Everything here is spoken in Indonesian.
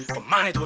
kemah nih tuhan